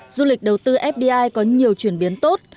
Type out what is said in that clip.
du lịch đầu tư fdi có nhiều chuyển biến tốt